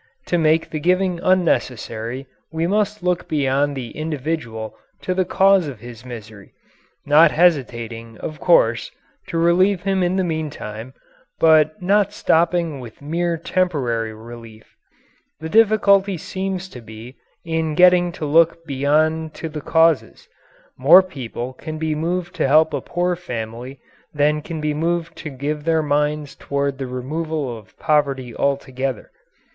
To make the giving unnecessary we must look beyond the individual to the cause of his misery not hesitating, of course, to relieve him in the meantime, but not stopping with mere temporary relief. The difficulty seems to be in getting to look beyond to the causes. More people can be moved to help a poor family than can be moved to give their minds toward the removal of poverty altogether.